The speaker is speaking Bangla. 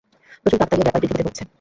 প্রচুর কাকতালীয় ব্যাপার পৃথিবীতে ঘটছে।